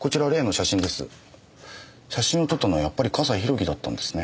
写真を撮ったのはやっぱり笠井宏樹だったんですね。